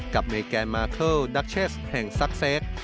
กับเมแกนมาร์เคิลดักเชษฐ์แห่งซักเซก